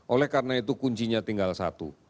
oleh karena itu kuncinya tinggal satu